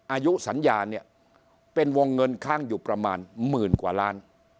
อายุสัญญาเนี่ยเป็นวงเงินค้างอยู่ประมาณหมื่นกว่าล้าน